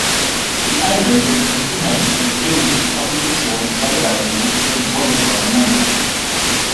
Die Alben setzen sich inhaltlich mit Themen wie Prostitution, Vergewaltigung und Wollust auseinander.